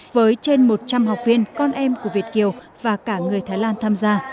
với trên một trăm linh học viên con em của việt kiều và cả người thái lan tham gia